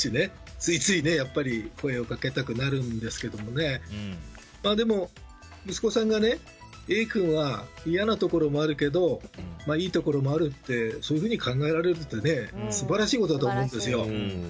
ついついやっぱり声をかけたくなるんですけどでも、息子さんがＡ君は嫌なところもあるけどいいところもあるってそういうふうに考えられるって素晴らしいことだと思うんですよ。